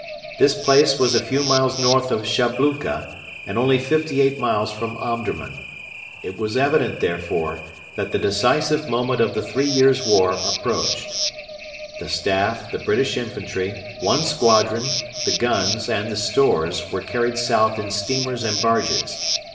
This place was a few miles north of Shabluka, and only fifty eight miles from Omdurman. It was evident, therefore, that the decisive moment of the three years' war approached. The Staff, the British infantry, one squadron, the guns, and the stores were carried south in steamers and barges.